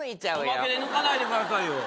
おまけで抜かないでくださいよ。